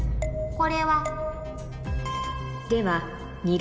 これは？